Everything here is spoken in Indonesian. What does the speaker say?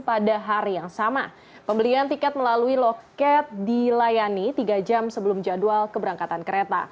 pada hari yang sama pembelian tiket melalui loket dilayani tiga jam sebelum jadwal keberangkatan kereta